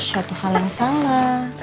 suatu hal yang salah